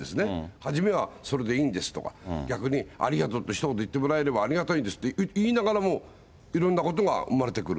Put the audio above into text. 初めは、それでいいんですとか、逆にありがとうとひと言言ってもらえればありがたいですって言いながらも、いろんなことが生まれてくる。